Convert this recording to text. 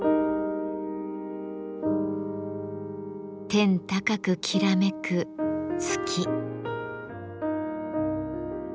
天高くきらめく月。